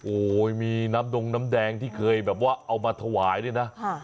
โอ้โหมีน้ำดงน้ำแดงที่เคยแบบว่าเอามาถวายด้วยนะ